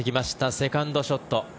セカンドショット。